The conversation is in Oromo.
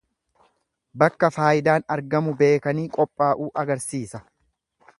Bakka faayidaan argamu beekanii qophaa'uu agarsiisa.